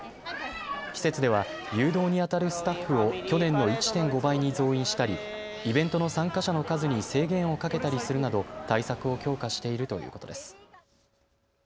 施設では誘導にあたるスタッフを去年の１．５倍に増員したりイベントの参加者の数に制限をかけたりするなど対策を強化しているということです。